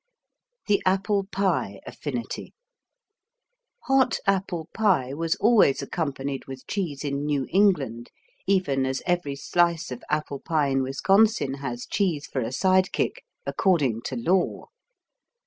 The Apple pie Affinity Hot apple pie was always accompanied with cheese in New England, even as every slice of apple pie in Wisconsin has cheese for a sidekick, according to law.